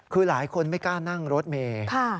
คือหลายคนไม่กล้านั่งรถเมย์